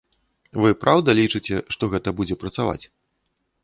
Вы праўда лічыце, што гэта будзе працаваць?